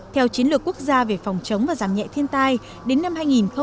theo chiến lược quốc gia về phòng chống và giảm nhẹ thiên tai đến năm hai nghìn ba mươi